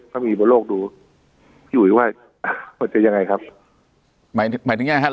ก็มีบนโลกดูพี่อุ๋ยว่าอ่ะมันจะยังไงครับหมายหมายถึงแง่ครับ